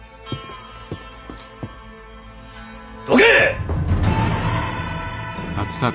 どけ！